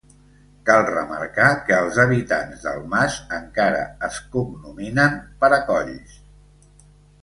Cal remarcar que els habitants del mas encara es cognominen Paracolls.